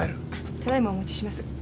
ただいまお持ちします。